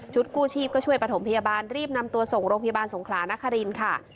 กู้ชีพก็ช่วยประถมพยาบาลรีบนำตัวส่งโรงพยาบาลสงขลานครินค่ะ